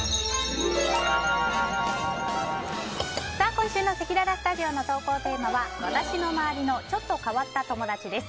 今週のせきららスタジオの投稿テーマは私の周りのちょっと変わった友達です。